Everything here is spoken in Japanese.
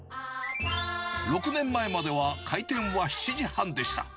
６年前までは開店は７時半でした。